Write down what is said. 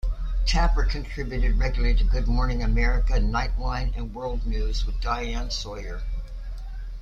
Tapper contributed regularly to "Good Morning America", "Nightline", and "World News with Diane Sawyer".